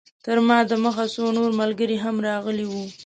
تر ما د مخه څو نور ملګري هم راغلي وو.